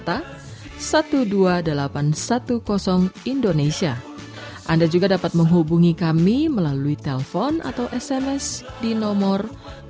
anda juga dapat menghubungi kami melalui telpon atau sms di nomor delapan ratus dua puluh satu seribu enam puluh satu seribu lima ratus sembilan puluh lima